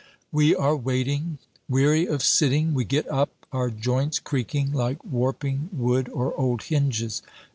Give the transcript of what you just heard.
We are waiting. Weary of sitting, we get up, our joints creaking like warping wood or old hinges.